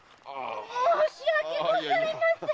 申し訳ございません！